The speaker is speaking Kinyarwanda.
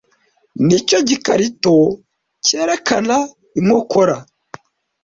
nicyo gikarito cyerekana inkokora